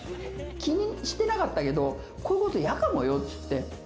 気にしてなかったけど、こういうことを嫌かもよっていって。